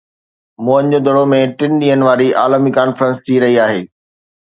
موئن جو دڙو ۾ ٽن ڏينهن واري عالمي ڪانفرنس ٿي رهي آهي